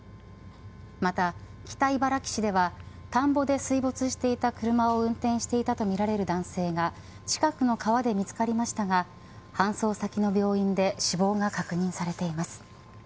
また北茨城市では田んぼで水没していた車を運転していたとみられる男性が近くの川で見つかりましたが搬送先の病院で死亡が確認されています。